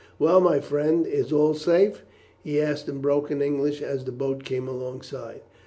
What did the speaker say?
"Well, my friend, is all safe?" he asked in broken English as the boat came alongside.